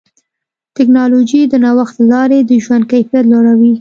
ټکنالوجي د نوښت له لارې د ژوند کیفیت لوړوي.